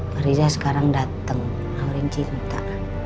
pak riza sekarang dateng ngamarin cinta